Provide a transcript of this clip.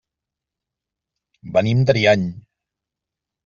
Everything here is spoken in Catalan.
Venim d'Ariany.